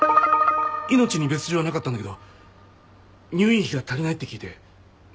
命に別条はなかったんだけど入院費が足りないって聞いて。